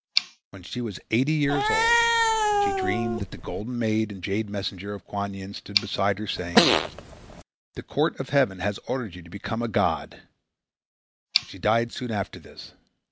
When she was eighty years old, she dreamed that the golden maid and jade messenger of Kuan Yin stood beside her saying: "The court of Heaven has ordered you to become a god (shên)." She died soon after this.